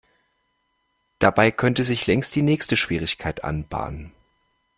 Dabei könnte sich längst die nächste Schwierigkeit anbahnen.